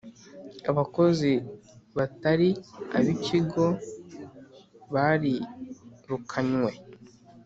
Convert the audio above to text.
abakozi batari ab ikigo bari rukanywe